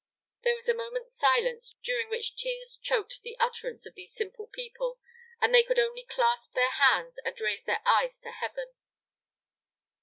There was a moment's silence during which tears choked the utterance of these simple people, and they could only clasp their hands and raise their eyes to heaven.